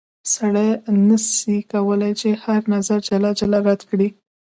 سړی نه سي کولای چې هر نظر جلا جلا رد کړي.